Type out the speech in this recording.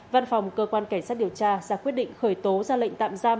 văn phòng cơ quan cảnh sát điều tra ra quyết định khởi tố ra lệnh tạm giam